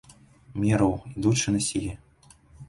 Мераў, ідучы, на сігі.